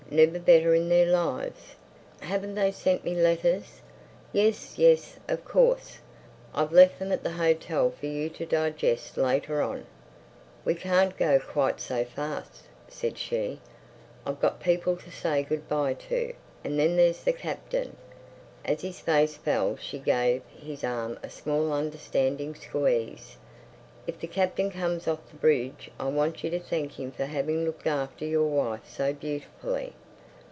Never better in their lives." "Haven't they sent me letters?" "Yes, yes—of course! I've left them at the hotel for you to digest later on." "We can't go quite so fast," said she. "I've got people to say good bye to—and then there's the Captain." As his face fell she gave his arm a small understanding squeeze. "If the Captain comes off the bridge I want you to thank him for having looked after your wife so beautifully."